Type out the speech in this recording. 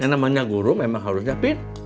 yang namanya guru memang harusnya pin